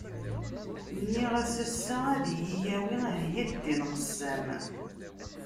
Nniɣ-as ass-a ad iyi-yawi, ah ya ddin qessam!